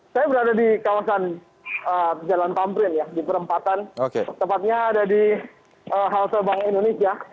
saya berada di kawasan jalan tambrin di perempatan tempatnya ada di halsebang indonesia